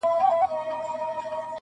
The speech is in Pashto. که زما منۍ د دې لولۍ په مینه زړه مه تړی-